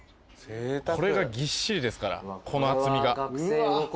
これがぎっしりですからこの厚みが。